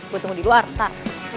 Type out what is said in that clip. gue tunggu di luar star